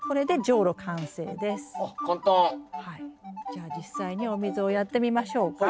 じゃあ実際にお水をやってみましょうか。